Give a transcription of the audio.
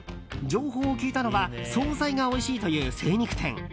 情報を聞いたのは総菜がおいしいという精肉店。